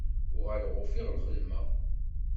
Uɣaleɣ ufiɣ lxedma.